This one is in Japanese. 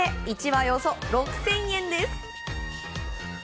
１枚およそ６０００円です。